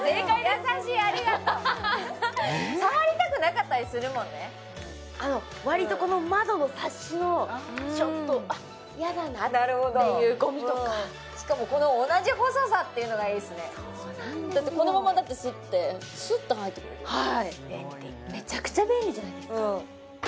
優しいありがとう割とこの窓のサッシのちょっと嫌だなっていうゴミとかしかも同じ細さっていうのがいいですねだってこのままスッてスッと入ってくれるめちゃくちゃ便利じゃないですか？